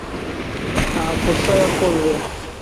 Nta kosa yakoze.